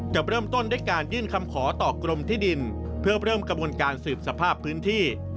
เริ่มต้นด้วยการยื่นคำขอต่อกรมที่ดินเพื่อเริ่มกระบวนการสืบสภาพพื้นที่